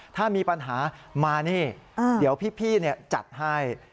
ถ้ามีปัญหามานี่เดี๋ยวพี่จัดให้